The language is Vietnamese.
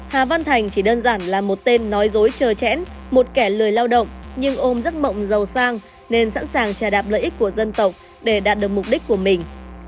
hà văn thành chỉ đơn giản là một tên nói dối trờn một kẻ lười lao động nhưng ôm rất mộng giàu sang nên sẵn sàng trà đạp lợi ích của dân tộc để đạt được mục đích của mình